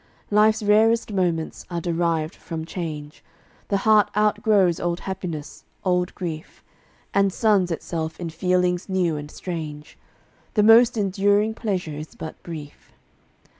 Life's rarest moments are derived from change. The heart outgrows old happiness, old grief, And suns itself in feelings new and strange; The most enduring pleasure is but brief.